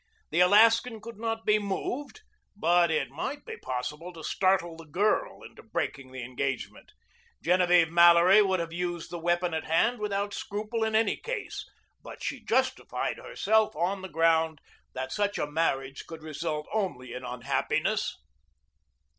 The Alaskan could not be moved, but it might be possible to startle the girl into breaking the engagement. Genevieve Mallory would have used the weapon at hand without scruple in any case, but she justified herself on the ground that such a marriage could result only in unhappiness.